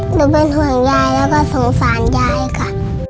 หนูเป็นห่วงยายแล้วก็สงสารยายค่ะ